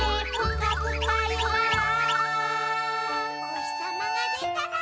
「おひさまがでたら」